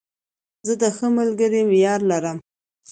زه د ښه ملګري معیار لرم.